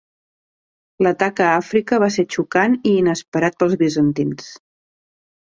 L'atac a Àfrica va ser xocant i inesperat pels bizantins.